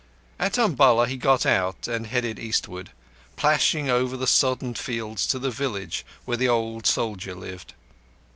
At Umballa he got out and headed eastward, plashing over the sodden fields to the village where the old soldier lived.